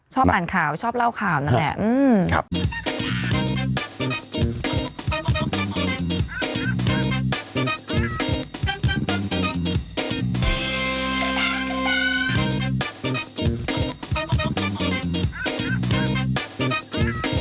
ชอบอ่านข่าวชอบเล่าข่าวนั่นแหละ